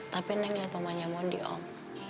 tapi neng liat mamanya mondi om